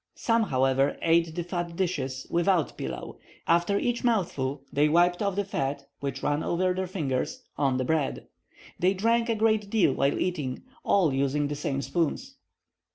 Some, however, ate the fat dishes without pilau; after each mouthful they wiped off the fat, which ran over their fingers, on the bread. They drank a great deal while eating, all using the same spoons.